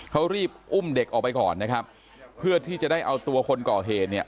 เขารีบอุ้มเด็กออกไปก่อนนะครับเพื่อที่จะได้เอาตัวคนก่อเหตุเนี่ย